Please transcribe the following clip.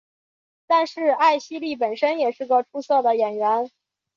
但是艾希莉本身也是个出色的演员。